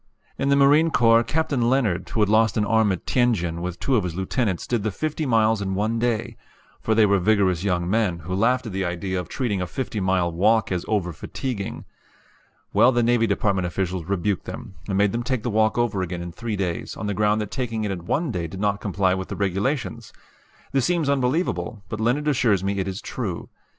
In the Marine Corps Captain Leonard, who had lost an arm at Tientsin, with two of his lieutenants did the fifty miles in one day; for they were vigorous young men, who laughed at the idea of treating a fifty mile walk as over fatiguing. Well, the Navy Department officials rebuked them, and made them take the walk over again in three days, on the ground that taking it in one day did not comply with the regulations! This seems unbelievable; but Leonard assures me it is true.